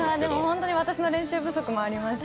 本当に私の練習不足もありました。